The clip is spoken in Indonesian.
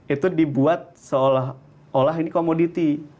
itu dibuat seolah olah ini komoditi